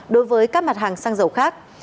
đối với các mặt hàng xăng dầu khác